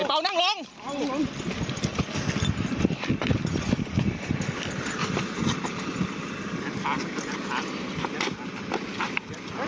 เบานั่งลงนั่งลง